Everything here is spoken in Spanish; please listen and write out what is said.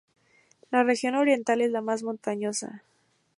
La región oriental es la más montañosa.